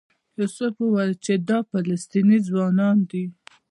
یوسف وویل چې دا فلسطینی ځوانان دي.